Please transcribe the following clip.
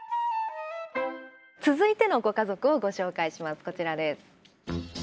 続いてのご家族をご紹介します。